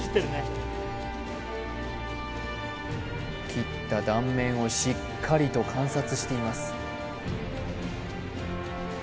切った断面をしっかりと観察しています